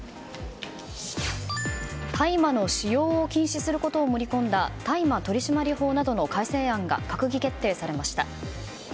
大麻の使用を禁止することを盛り込んだ大麻取締法などの改正案が閣議決定されました。